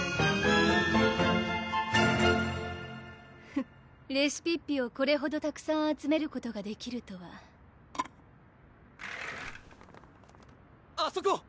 フッレシピッピをこれほどたくさん集めることができるとはあそこ！